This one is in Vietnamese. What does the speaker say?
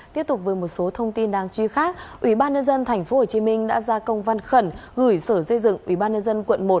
tiếp tục với một số thông tin đáng truy khác ubnd tp hcm đã ra công văn khẩn gửi sở dây dựng ubnd quận một